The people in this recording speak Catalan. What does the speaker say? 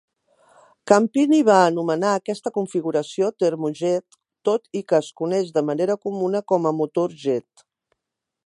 Campini va anomenar aquesta configuració "termo jet", tot i que es coneix de manera comuna com a "motor jet".